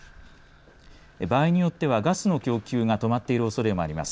場合によっては、ガスの供給が止まっているおそれもあります。